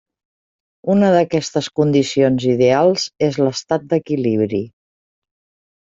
Una d'aquestes condicions ideals és l'estat d'equilibri.